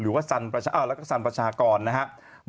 แล้วก็สรรประชากรนะครับ